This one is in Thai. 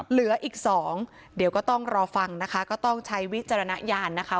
เหลืออีกสองเดี๋ยวก็ต้องรอฟังนะคะก็ต้องใช้วิจารณญาณนะคะ